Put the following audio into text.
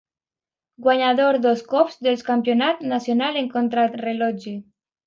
Guanyador dos cops del campionat nacional en contrarellotge.